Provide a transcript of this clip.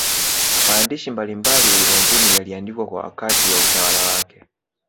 Maandishi mbalimbali ulimwenguni yaliandikwa wakati wa utawala wake